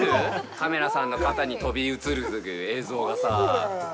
カメラさんの肩に飛び移る映像がさぁ。